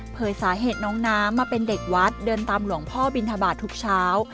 สาเหตุน้องน้ำมาเป็นเด็กวัดเดินตามหลวงพ่อบินทบาททุกเช้า